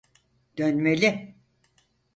Dönmeli!